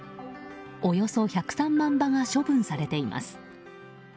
およそ１０３万羽が処分されています。